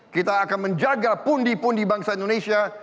kita akan menjaga pundi pundi bangsa indonesia